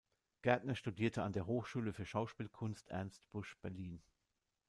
Gärtner studierte an der Hochschule für Schauspielkunst „Ernst Busch“ Berlin.